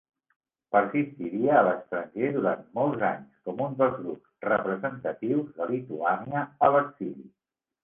Persistiria a l'estranger durant molts anys com un dels grups representatius de Lituània a l'exili.